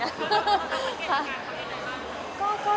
ประเภทการเขามีไหนบ้าง